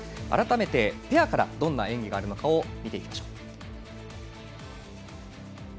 改めて、ペアからどんな演技があるのかを見ていきましょう。